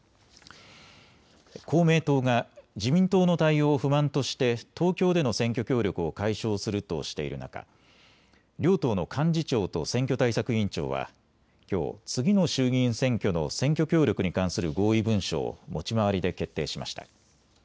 公明党が自民党の対応を不満として東京での選挙協力を解消するとしている中、両党の幹事長と選挙対策委員長はきょう、次の衆議院選挙の選挙協力に関する合意文書を持ち回りで決定しました。